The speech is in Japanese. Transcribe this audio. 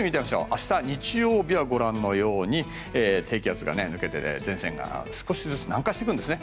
明日の日曜日は、ご覧のように低気圧が抜けて前線が南下してくるんですね。